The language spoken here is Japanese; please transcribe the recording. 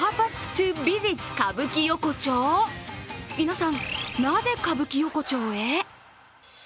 皆さん、なぜ歌舞伎横丁へ？